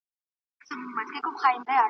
زما د زانګو زما د مستۍ زما د نڅا کلی دی .